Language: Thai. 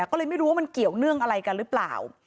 ก็เลยไม่รู้ว่ามันเกี่ยวเนื่องอะไรกันหรือเปล่า